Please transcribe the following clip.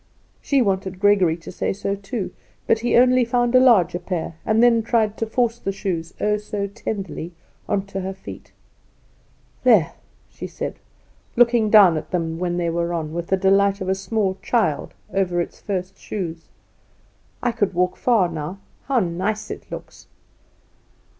She wanted Gregory to say so too. But he only found a larger pair; and then tried to force the shoes, oh, so tenderly, on to her little feet. "There," she said, looking down at them when they were on, with the delight of a small child over its first shoes, "I could walk far now. How nice it looks!"